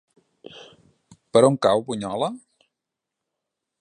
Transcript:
Per on cau Bunyola?